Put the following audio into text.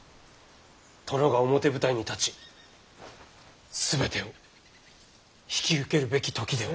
殿が表舞台に立ち全てを引き受けるべき時では。